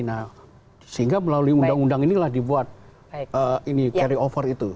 nah sehingga melalui undang undang inilah dibuat carry over itu